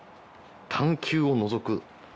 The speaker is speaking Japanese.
「探求を除く」